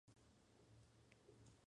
Florece a lo largo de todo el verano.